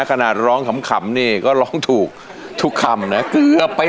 ขนาดร้องขำนี่ก็ร้องถูกทุกคำนะเกือบไป